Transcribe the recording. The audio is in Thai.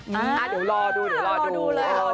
เดี๋ยวรอดูรอดูเลยรอดู